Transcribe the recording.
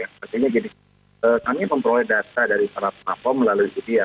artinya gini kami memperoleh data dari para platform melalui media